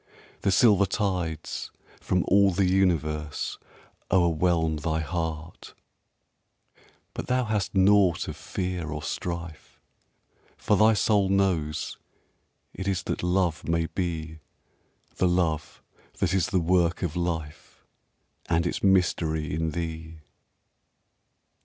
The silver tides from all the universe o'erwhelm Thy heart, but thou hast naught of fear or strife, For thy soul knows it is that love may be, The love that is the work of life And its mystery in thee.